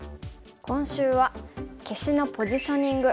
今週は「消しのポジショニング」。